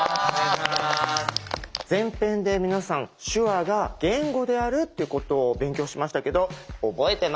前編で皆さん手話が言語であるっていうことを勉強しましたけど覚えてますか？